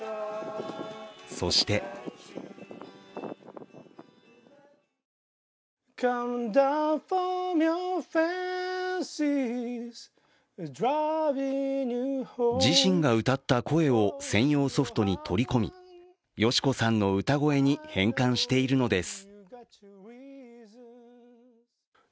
そして自身が歌った声を専用ソフトに取り込み、敏子さんの歌声に変換しているのです。